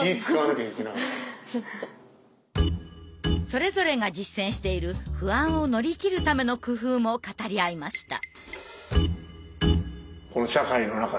それぞれが実践している不安を乗り切るための工夫も語り合いました。